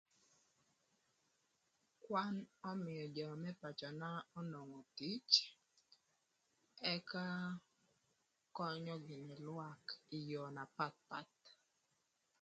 Kwan ömïö jö më pacöna onwongo tic, ëka könyö gïnï lwak ï yoo na papath.